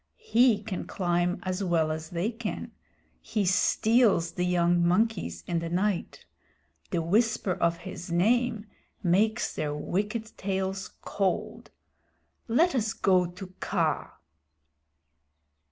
He can climb as well as they can. He steals the young monkeys in the night. The whisper of his name makes their wicked tails cold. Let us go to Kaa."